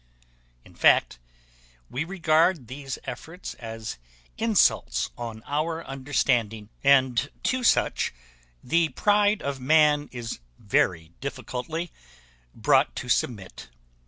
In fact, we regard these efforts as insults on our understanding, and to such the pride of man is very difficultly brought to submit.